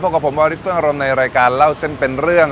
พวกกับผมวอลลิฟต์ฝึ่งอารมณ์ในรายการเล่าเส้นเป็นเรื่อง